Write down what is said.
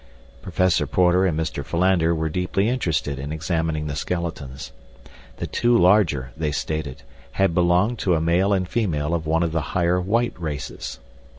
Professor Porter and Mr. Philander were deeply interested in examining the skeletons. The two larger, they stated, had belonged to a male and female of one of the higher white races.